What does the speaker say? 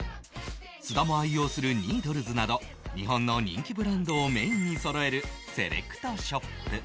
菅田も愛用する Ｎｅｅｄｌｅｓ など日本の人気ブランドをメインにそろえるセレクトショップ